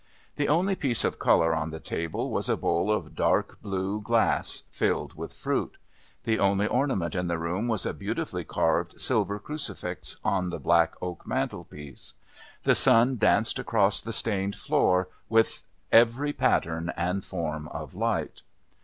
The only piece of colour on the table was a bowl of dark blue glass piled with fruit. The only ornament in the room was a beautifully carved silver crucifix on the black oak mantelpiece. The sun danced across the stained floor with every pattern and form of light.